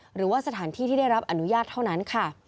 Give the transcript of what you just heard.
หรือว่าสถานที่ที่ได้รับอนุญาตเท่านั้นค่ะ